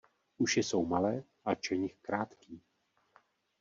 Uši jsou malé a čenich krátký.